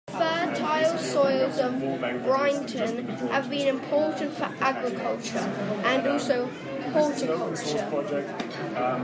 The fertile soils of Breinton have been important for agriculture, and also horticulture.